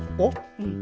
うん。